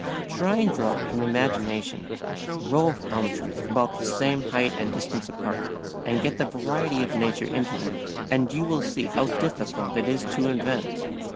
Try and draw from imagination a row of elm trees of about the same height and distance apart, and get the variety of nature into them; and you will see how difficult it is to invent.